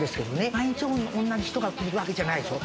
毎日同じ人が来るわけじゃないでしょ。